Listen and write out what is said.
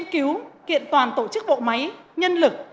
kiện toàn tổ chức bộ máy nhân lực